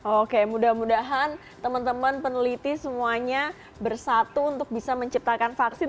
oke mudah mudahan teman teman peneliti semuanya bersatu untuk bisa menciptakan vaksin